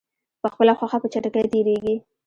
په خپله خوښه په چټکۍ تېریږي.